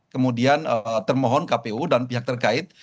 kemudian termohon kpu dan pihak terkait